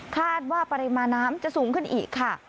คาดว่าปริมาณน้ำจะสูงขึ้นอีกค่ะ